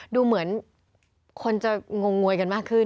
ดูเหมือนคนจะงงงวยกันมากขึ้น